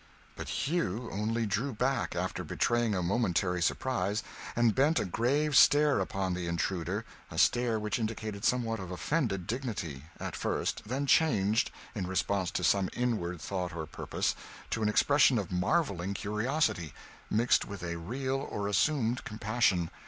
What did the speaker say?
But Hugh only drew back, after betraying a momentary surprise, and bent a grave stare upon the intruder a stare which indicated somewhat of offended dignity, at first, then changed, in response to some inward thought or purpose, to an expression of marvelling curiosity, mixed with a real or assumed compassion.